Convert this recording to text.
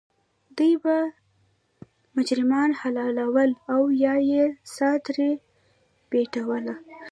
دوی به مجرمان حلالول او یا یې سا ترې بیټوله.